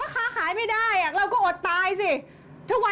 พี่เจ๊ตายแล้ว